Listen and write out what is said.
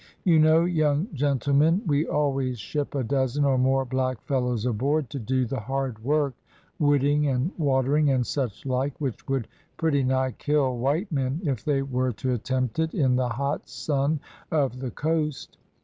You know, young gentlemen, we always ship a dozen or more black fellows aboard, to do the hard work, wooding, and watering, and such like, which would pretty nigh kill white men if they were to attempt it in the hot sun of the coast.